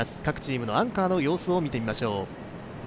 各チーム、アンカーの様子を見てみましょう。